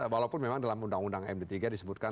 walaupun memang dalam undang undang md tiga disebutkan